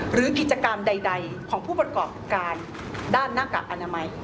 หรือกิจกรรมใดของผู้ประกอบการด้านหน้ากากอนามัย